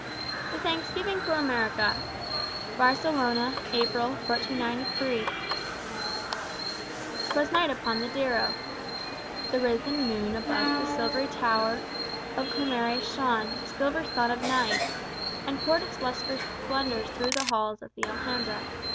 THE THANKSGIVING FOR AMERICA [Barcelona, April, 1493] I 'Twas night upon the Darro. The risen moon above the silvery tower Of Comares shone, the silver sun of night, And poured its lustrous splendors through the halls Of the Alhambra.